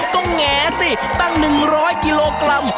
ก็แหงสิตั้ง๑๐๐กิโลกรัม